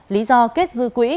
lý do kết dư quỹ